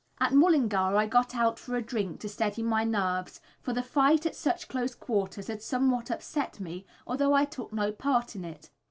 At Mullingar I got out for a drink, to steady my nerves, for the fight at such close quarters had somewhat upset me, although I took no part in it.